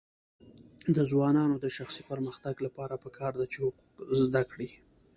د ځوانانو د شخصي پرمختګ لپاره پکار ده چې حقوق زده کړي.